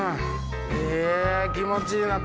え気持ちいいな。